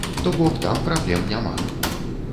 То бок там праблем няма.